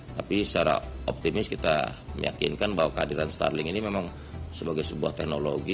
tapi secara optimis kita meyakinkan bahwa kehadiran starling ini memang sebagai sebuah teknologi